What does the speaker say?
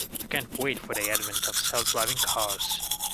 I can't wait for the advent of self driving cars.